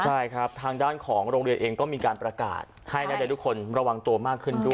ใช่ครับทางด้านของโรงเรียนเองก็มีการประกาศให้นักเรียนทุกคนระวังตัวมากขึ้นด้วย